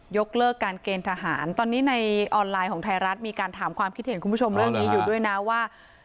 ยกเลิกการเกณฑ์ทหารตอนนี้ในออนไลน์ของไทยรัฐมีการถามความคิดเห็นคุณผู้ชมเรื่องนี้อยู่ด้วยนะว่า